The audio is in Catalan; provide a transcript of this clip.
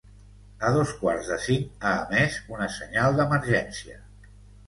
A dos quarts de cinc ha emès un senyal d’emergència.